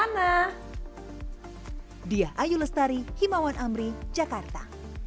nah diantara semua masker pilih yang mana